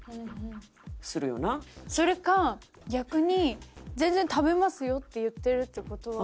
それか逆に「全然食べますよ」って言ってるって事は。